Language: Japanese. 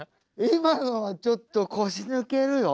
今のはちょっと腰抜けるよ。